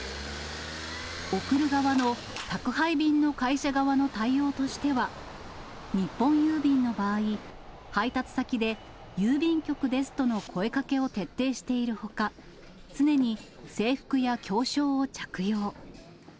送る側の宅配便の会社側の対応としては、日本郵便の場合、配達先で、郵便局ですとの声かけを徹底しているほか、常に制服や胸章を着用。